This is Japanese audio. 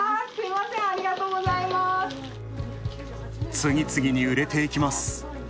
次々に売れていきます。